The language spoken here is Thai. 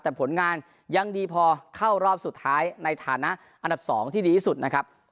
แต่ผลงานยังดีพอเข้ารอบสุดท้ายในฐานะอันดับ๒ที่ดีที่สุดนะครับ